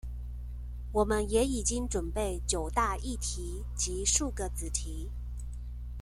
我們也已經準備九大議題及數個子題